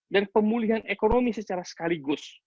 dan pemulihan ekonomi secara sekaligus